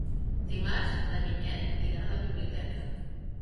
Dimarts na Vinyet irà a la biblioteca.